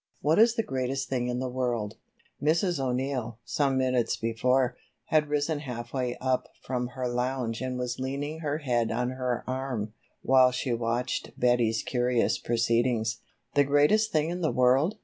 What is the greatest thing in the world?" Mrs. O'Neill, some minutes before, had risen half way up from her lounge and was leaning her head on her arm, while she watched Betty's curious proceedings. "The greatest thing in the world?"